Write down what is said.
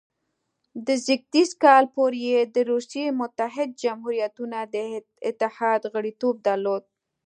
تر زېږدیز کال پورې یې د روسیې متحده جمهوریتونو د اتحاد غړیتوب درلود.